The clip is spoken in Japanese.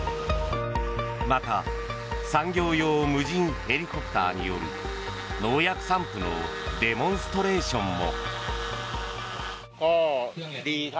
また産業用無人ヘリコプターによる農薬散布のデモンストレーションも。